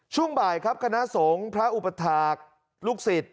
ช่วงบ่ายครับคณะสงฆ์พระอุปถาคลูกศิษย์